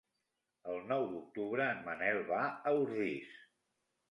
El nou d'octubre en Manel va a Ordis.